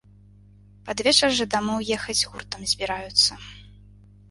Пад вечар жа дамоў ехаць гуртам збіраюцца.